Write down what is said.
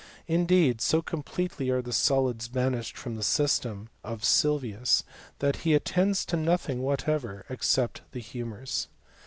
Indeed, so completely are the solids banished from the system of Sylvius that he attends to nothing whatever except the humours.